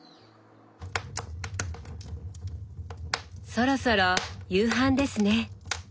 そろそろ夕飯ですね。